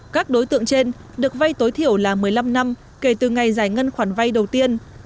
các đối tượng trên được vay tối thiểu là một mươi năm năm kể từ ngày giải ngân khoản vay đầu tiên